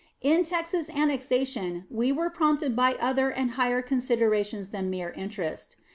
In Texas annexation we were prompted by other and higher considerations than mere interest.